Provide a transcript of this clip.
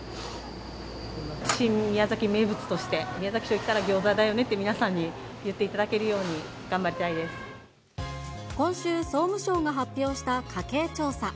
新宮崎名物として、宮崎といったらギョーザだよねって皆さんに言っていただけるよう今週、総務省が発表した家計調査。